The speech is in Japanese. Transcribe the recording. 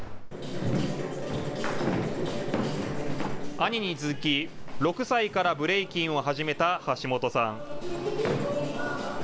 兄に続き、６歳からブレイキンを始めた橋本さん。